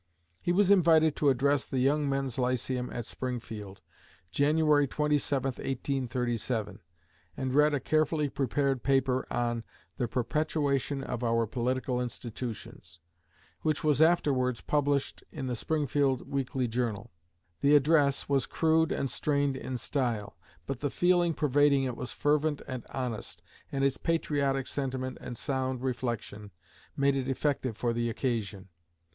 He was invited to address the Young Men's Lyceum at Springfield, January 27, 1837, and read a carefully prepared paper on "The Perpetuation of Our Political Institutions," which was afterwards published in the Springfield "Weekly Journal." The address was crude and strained in style, but the feeling pervading it was fervent and honest, and its patriotic sentiment and sound reflection made it effective for the occasion.